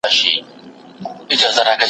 د توپونو د آسونو د لښکرو